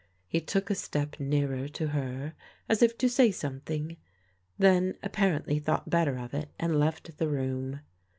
He took a step nearer to her as if to say something else, then apparently thought better of it, and left the room.